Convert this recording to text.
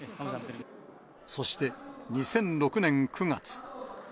そして、２００６年９月。